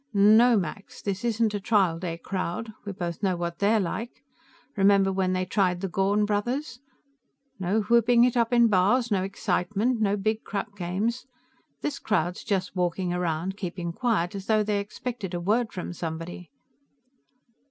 "No, Max. This isn't a trial day crowd. We both know what they're like; remember when they tried the Gawn brothers? No whooping it up in bars, no excitement, no big crap games; this crowd's just walking around, keeping quiet, as though they expected a word from somebody."